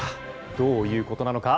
どういうことなのか？